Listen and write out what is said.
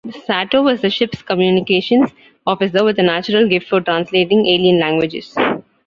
Sato was the ship's communications officer, with a natural gift for translating alien languages.